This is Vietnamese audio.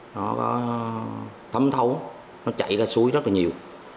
nó có thấm thấu nó chảy ra suối rất là nhiều